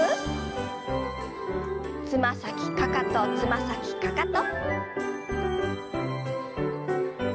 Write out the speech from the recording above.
つま先かかとつま先かかと。